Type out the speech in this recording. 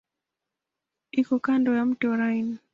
Iko kando ya mto Rhine.